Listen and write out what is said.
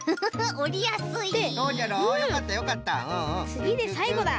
つぎでさいごだ。